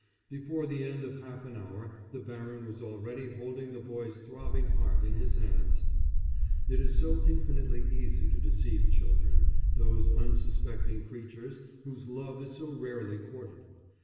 Before the end of half an hour the baron was already holding the boy's throbbing heart in his hands. It is so infinitely easy to deceive children, those unsuspecting creatures whose love is so rarely courted.